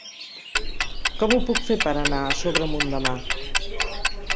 Com ho puc fer per anar a Sobremunt demà?